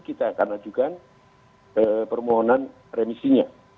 kita akan ajukan permohonan remisinya